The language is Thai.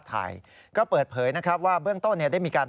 ด้านของนายเอกชัยทัพปานานนท์นะครับ